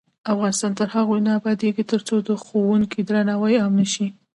افغانستان تر هغو نه ابادیږي، ترڅو د ښوونکي درناوی عام نشي.